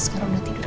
sekarang udah tidur